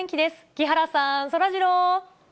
木原さん、そらジロー。